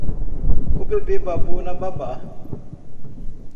O bebê babou na babá